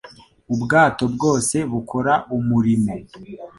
Ubwato bwose bukora umurimo